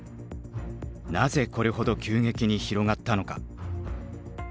なぜこれほど急激に広がったのか。